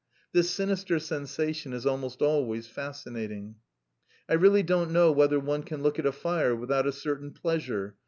This sinister sensation is almost always fascinating. "I really don't know whether one can look at a fire without a certain pleasure."